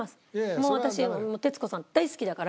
もう私徹子さん大好きだから。